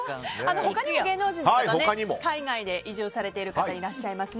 他にも芸能人の方海外に移住されている方いらっしゃいます。